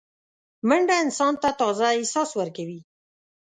منډه انسان ته تازه احساس ورکوي